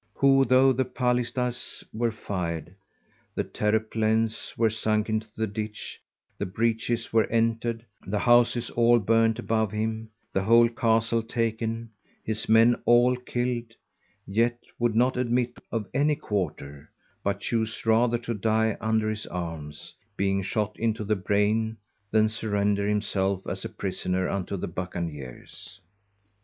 who, though the Palizda's _were fired, the Terraplens were sunk into the Ditch, the Breaches were entred, the Houses all burnt above him, the whole Castle taken, his men all killed; yet would not admit of any quarter, but chose rather to die under his Arms, being shot into the brain, than surrender himself as a Prisoner unto the_ Bucaniers.